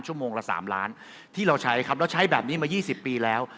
ชั่วโมงละ๓ล้านที่เราใช้ครับเราใช้แบบนี้มา๒๐ปีแล้ว